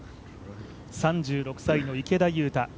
３６歳の池田勇太